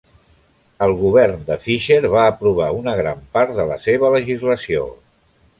El govern de Fisher va aprovar una gran part de la seva legislació.